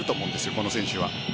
この選手は。